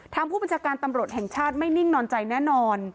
ทางผู้บัญชาการตำรวจแห่งชาติไม่นิ่งนอนใจแน่นอน